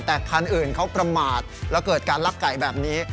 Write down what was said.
แต่คันอื่นเขาประมาทแล้วเกิดการลักไก่แบบนี้